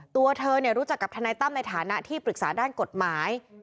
ตัวเธอรู้จักกับทนายตั้มในฐานะที่ปรึกษาด้านกฎหมาย